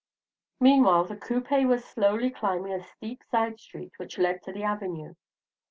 Meanwhile the coupé was slowly climbing a steep side street which led to the Avenue.